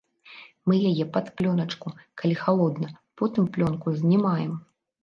Мы яе пад плёначку, калі халодна, потым плёнку знімаем!